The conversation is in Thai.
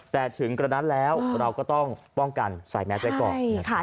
แต่ถึงกรณะแล้วเราก็ต้องป้องกันใส่แม็กซ์ได้ก่อน